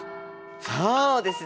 そうですね。